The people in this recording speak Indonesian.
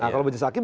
kalau majelis hakim